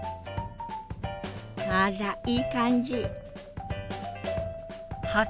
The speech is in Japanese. あらいい感じ！